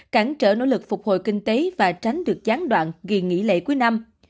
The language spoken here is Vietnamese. cản trở nỗ lực phục hồi kinh tế và tránh được gián đoạn kỳ nghỉ lễ cuối năm